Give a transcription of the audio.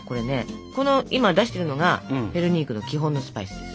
この今出してるのがペルニークの基本のスパイスです。